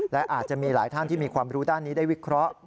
และอาจจะมีหลายท่านที่มีความรู้ด้านนี้ได้วิเคราะห์